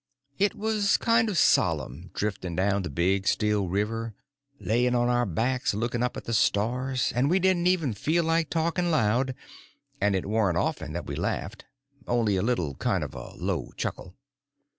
It was kind of solemn, drifting down the big, still river, laying on our backs looking up at the stars, and we didn't ever feel like talking loud, and it warn't often that we laughed—only a little kind of a low chuckle.